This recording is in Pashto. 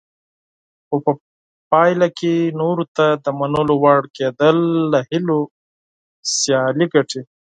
خو په پایله کې نورو ته د منلو وړ کېدل له هیلو سیالي ګټي.